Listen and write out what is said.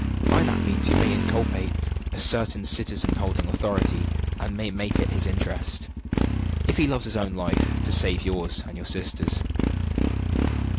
By that means you may inculpate a certain citizen holding authority, and may make it his interest, if he loves his own life, to save yours and your sister's."